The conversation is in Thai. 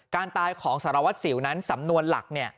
การตายของสารวัตรสิวนั้นสำนวนหลัก